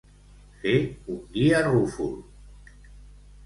Fer un dia rúfol.